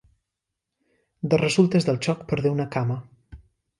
De resultes del xoc perdé una cama.